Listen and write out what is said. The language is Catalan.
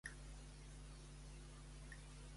Quina relació tenia Selmayr amb Juncker?